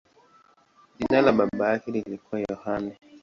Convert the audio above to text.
Jina la baba yake lilikuwa Yohane.